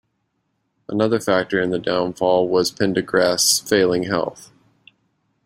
Another factor in the downfall was Pendergast's failing health.